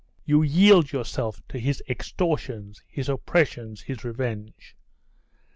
You yield yourselves to his extortions, his oppressions, his revenge!